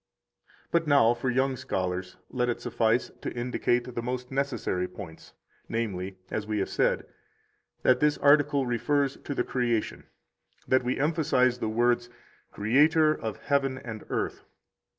But now for young scholars let it suffice to indicate the most necessary points, namely, as we have said, that this article refers to the Creation: that we emphasize the words: Creator of heaven and earth.